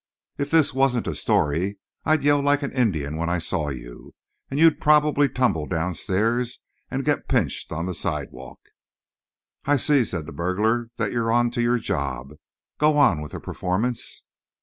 If this wasn't a story I'd yell like an Indian when I saw you; and you'd probably tumble downstairs and get pinched on the sidewalk." "I see," said the burglar, "that you're on to your job. Go on with the performance."